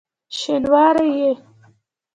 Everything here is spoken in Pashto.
شینواری یې؟!